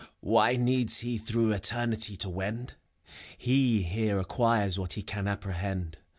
Why needs he through Eternity to wendf He here acquires what he can apprehend.